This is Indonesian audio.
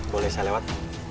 boleh saya lewat